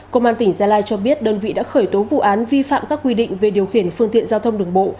công an tỉnh gia lai cho biết đơn vị đã khởi tố vụ án vi phạm các quy định về điều khiển phương tiện giao thông đường bộ